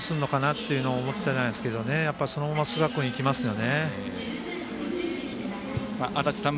この回どうするのかなというのは思ったんですけどそのまま寿賀君でいきますよね。